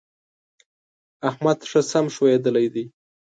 احمد ښه سم ښويېدلی دی.